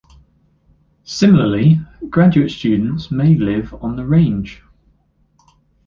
Similarly, graduate students may live on The Range.